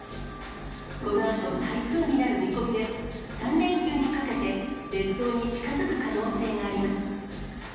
このあと台風になる見込みで、３連休にかけて、列島に近づく可能性があります。